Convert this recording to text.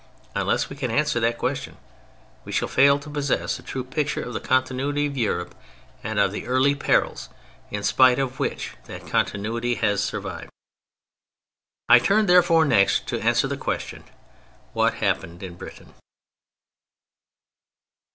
_" Unless we can answer that question we shall fail to possess a true picture of the continuity of Europe and of the early perils in spite of which that continuity has survived. I turn, therefore, next to answer the question: "What happened in Britain?"